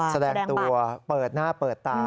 แสดงตัวเปิดหน้าเปิดตา